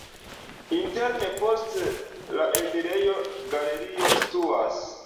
Interne post la enirejo galerio situas.